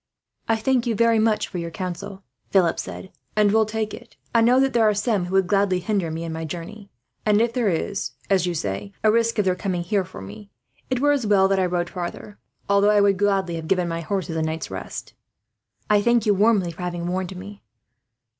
"I thank you very much for your counsel," Philip said, "and will take it. I know that there are some who would gladly hinder me, in my journey; and if there is, as you say, a risk of their coming here for me, it were as well that I rode farther, although I would gladly have given my horses a night's rest. I thank you warmly for having warned me."